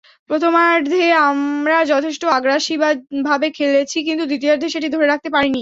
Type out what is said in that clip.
প্রথমার্ধে আমরা যথেষ্ট আগ্রাসীভাবে খেলেছি, কিন্তু দ্বিতীয়ার্ধে সেটি ধরে রাখতে পারিনি।